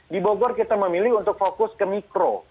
di bogor kita memilih untuk fokus ke mikro